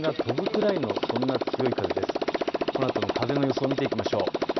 このあとの風の予想を見ていきましょう。